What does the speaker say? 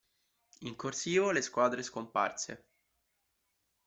In "corsivo" le squadre scomparse.